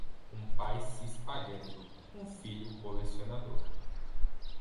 Um pai se espalhando, um filho colecionador.